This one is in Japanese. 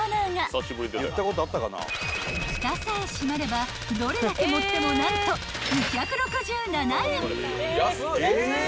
［フタさえ閉まればどれだけ盛っても何と２６７円］